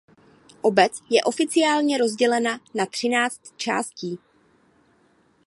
Obec je oficiálně rozdělena na třináct částí.